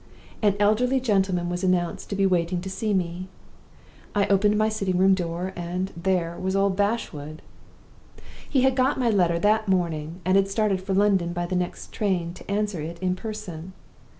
An elderly gentleman was announced to be waiting to see me. I opened my sitting room door, and there was old Bashwood! "He had got my letter that morning, and had started for London by the next train to answer it in person.